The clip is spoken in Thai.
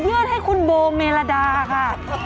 เยือนให้คุณโบเมลาดาค่ะ